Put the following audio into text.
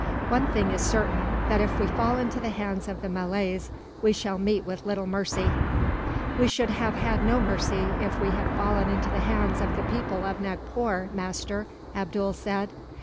One thing is certain: that if we fall into the hands of the Malays, we shall meet with little mercy." "We should have had no mercy, if we had fallen into the hands of the people of Nagpore, master," Abdool said.